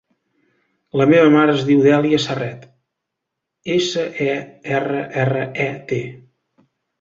La meva mare es diu Dèlia Serret: essa, e, erra, erra, e, te.